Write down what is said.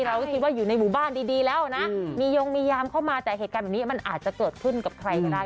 เราก็คิดว่าอยู่ในหมู่บ้านดีแล้วนะมียงมียามเข้ามาแต่เหตุการณ์แบบนี้มันอาจจะเกิดขึ้นกับใครก็ได้